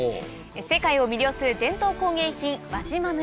世界を魅了する伝統工芸品輪島塗。